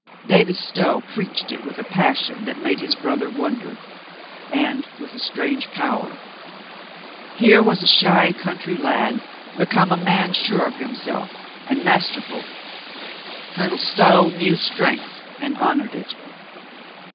David Stow preached it with a passion that made his brother wonder, and with a strange power. Here was a shy country lad become a man sure of himself and mas terful. Colonel Stow knew strength and honored it.